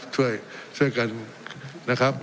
ช่วยกันนะครับ